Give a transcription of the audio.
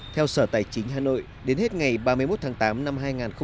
theo sở tài chính hà nội đến hết ngày ba mươi một tháng tám năm hai nghìn hai mươi